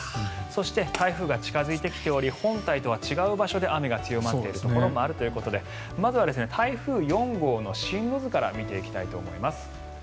そして、台風が近付いてきており本体とは違う場所で雨が強まっているところもあるということでまずは台風４号の進路図から見ていきたいと思います。